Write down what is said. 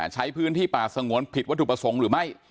ใช้พื้นที่ป่าสงวนผิดวัตถุประสงค์หรือไม่